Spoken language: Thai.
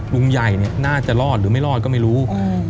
ลุงใหญ่เนี่ยน่าจะรอดหรือไม่รอดก็ไม่รู้อืม